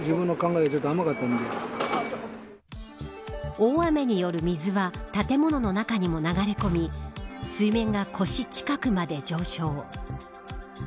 大雨による水は建物の中にも流れ込み水面が腰近くまで上昇。